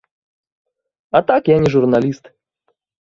А так я не журналіст.